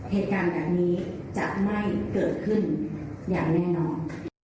เหตุการณ์แบบนี้จะไม่เกิดขึ้นอย่างแน่นอน